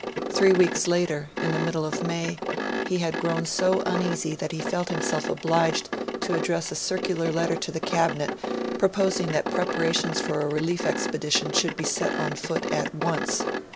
Three weeks later, in the middle of May, he had grown so uneasy that he felt himself obliged to address a circular letter to the Cabinet proposing that preparations for a relief expedition should be set on foot at once.